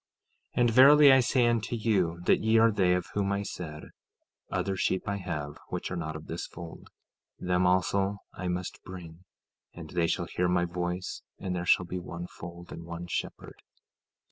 15:21 And verily I say unto you, that ye are they of whom I said: Other sheep I have which are not of this fold; them also I must bring, and they shall hear my voice; and there shall be one fold, and one shepherd.